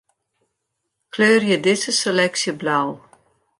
Kleurje dizze seleksje blau.